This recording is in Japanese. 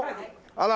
あら！